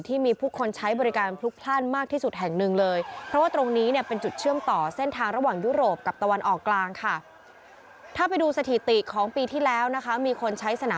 ที่มีผู้คนใช้บริการพลุกพลาดมากที่สุดแห่งหนึ่งเลย